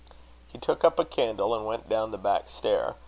He took up a candle, and went down the back stair.